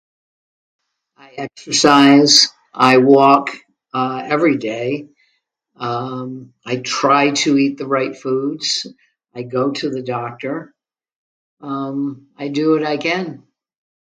I exercise, I walk, uhm, every day. I try to eat the right foods, I go to the doctor, uhm, I do what I can.